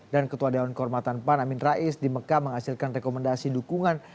dan ketua daun kormatan pan amin rais di mekah menghasilkan rekomendasi dukungan